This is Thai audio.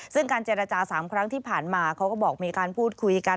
ซึ่งการเจรจา๓ครั้งที่ผ่านมาเขาก็บอกมีการพูดคุยกัน